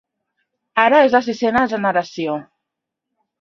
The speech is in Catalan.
Ara és a la sisena generació.